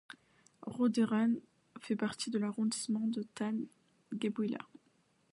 Roderen fait partie de l'arrondissement de Thann-Guebwiller.